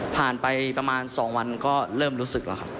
ผ่านไปประมาณ๒วันก็เริ่มรู้สึกแล้วครับ